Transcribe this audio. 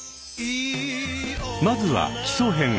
まずは基礎編！